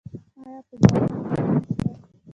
ایا په بلغم کې وینه شته؟